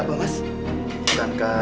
jangan panju itung